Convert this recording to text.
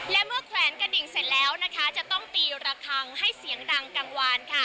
และเมื่อแขวนกระดิ่งเสร็จแล้วนะคะจะต้องตีระคังให้เสียงดังกลางวานค่ะ